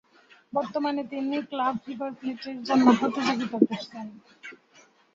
বর্তমানে তিনি Club River Plate জন্য প্রতিযোগিতা করছেন।